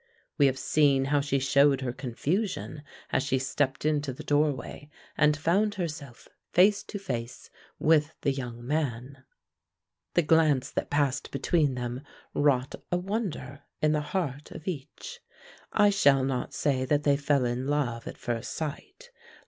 We have seen how she showed her confusion as she stepped into the doorway and found herself face to face with the young man. The glance that passed between them wrought a wonder in the heart of each. I shall not say that they fell in love at first sight.